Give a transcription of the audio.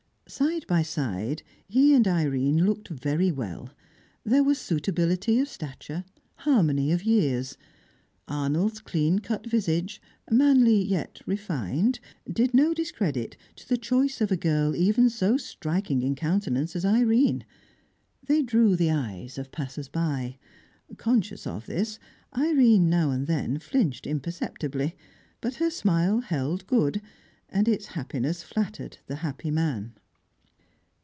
Side by side, he and Irene looked very well; there was suitability of stature, harmony of years. Arnold's clean cut visage, manly yet refined, did no discredit to the choice of a girl even so striking in countenance as Irene. They drew the eyes of passers by. Conscious of this, Irene now and then flinched imperceptibly; but her smile held good, and its happiness flattered the happy man.